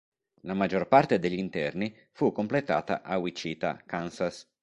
La maggior parte degli interni fu completata a Wichita, Kansas.